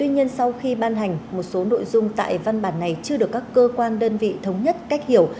nhưng sau khi ban hành một số nội dung tại văn bản này chưa được các cơ quan đơn vị thống nhất cách hiểu